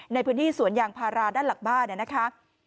ในพื้นที่สวนยางพาราด้านหลังบ้านนะคะ